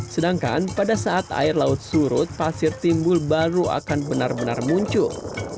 sedangkan pada saat air laut surut pasir timbul baru akan benar benar muncul